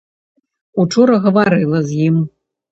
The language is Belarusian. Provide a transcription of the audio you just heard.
Учора гаварыла з ім.